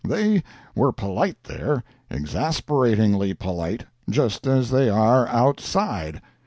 They were polite there, exasperatingly polite, just as they are outside.